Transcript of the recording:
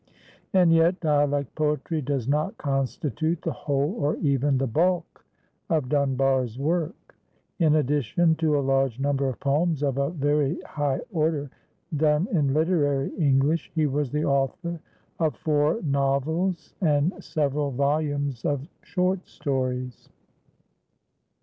And, yet, dialect poetry does not constitute the whole or even the bulk of Dunbar's work. In addition to a large number of poems of a very high order done in literary English, he was the author of four novels and several volumes of short stories.